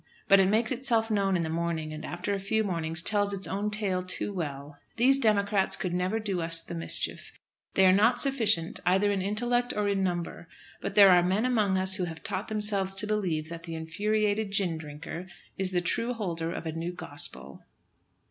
But it makes itself known in the morning, and after a few mornings tells its own tale too well. These "democrats" could never do us the mischief. They are not sufficient, either in intellect or in number; but there are men among us who have taught themselves to believe that the infuriated gin drinker is the true holder of a new gospel.